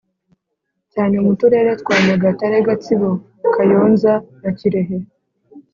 cyane mu Turere twa Nyagatare Gatsibo Kayonza na Kirehe